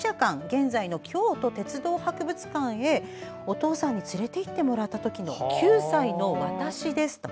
現在の京都鉄道博物館へお父さんに連れて行ってもらった時の９歳の私です。